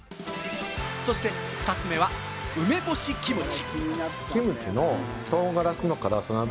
そして２つ目は、梅干しキムチ。